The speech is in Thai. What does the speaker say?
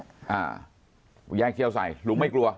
แยกเขี้ยวใส่หรือไม่กลัว